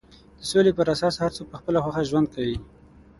د سولې پر اساس هر څوک په خپله خوښه ژوند کوي.